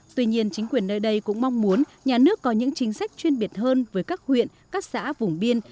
tuy nhiên chính quyền nơi đây cũng mong muốn nhà nước có những chính sách chuyên biệt hơn với các huyện các xã vùng biên